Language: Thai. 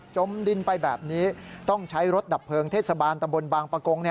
ดินไปแบบนี้ต้องใช้รถดับเพลิงเทศบาลตำบลบางประกง